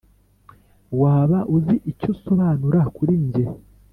waba uzi icyo usobanura kuri njye?